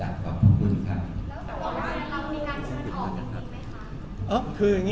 รับขอบพระคุณครับ